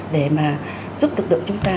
để mà giúp lực lượng chúng ta